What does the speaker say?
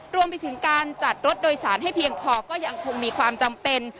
รวมไปถึงการจัดรถโดยสารให้เพียงพอก็ยังคงมีความจำเป็น